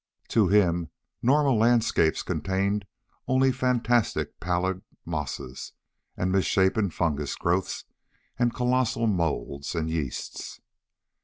To him normal landscape contained only fantastic pallid mosses, and misshapen fungus growths, and colossal moulds and yeasts.